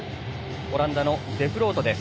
オランダのデフロートです。